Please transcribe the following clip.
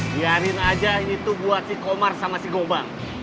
biarin aja ini tuh buat si komar sama si gobang